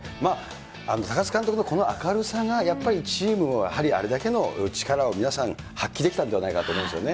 高津監督のこの明るさがやっぱりチームを、やはりあれだけの力を皆さん発揮できたんじゃないかと思うんですよね。